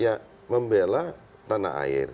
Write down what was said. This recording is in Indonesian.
ya membela tanah air